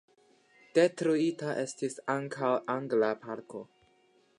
Detruita estis ankaŭ angla parko.